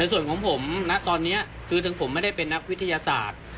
ส่วนของผมนะตอนนี้คือถึงผมไม่ได้เป็นนักวิทยาศาสตร์